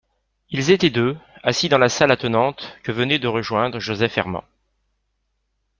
Ils étaient deux, assis dans la salle attenante que venait de rejoindre Joseph Herman.